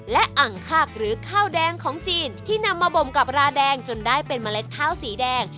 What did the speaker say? และอังคากหรือข้าวแดงของจีนที่นำมาบมกับราแดงจนได้เป็นเมล็ดข้าวสีแดง